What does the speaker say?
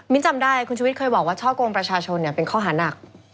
จำได้คุณชุวิตเคยบอกว่าช่อกงประชาชนเป็นข้อหานัก